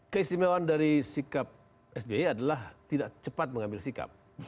keistimewaan dari sikap sby adalah tidak cepat mengambil sikap